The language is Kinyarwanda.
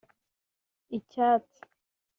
icyatsi